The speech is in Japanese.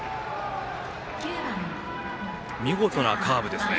見事なカーブですね。